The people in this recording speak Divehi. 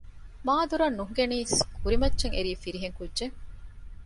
މާ ދުރަށް ނުހިނގެނީސް ކުރިމައްޗަށް އެރީ ފިރިހެން ކުއްޖެއް